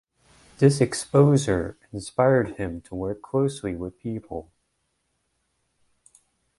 This exposure inspired him to work closely with people.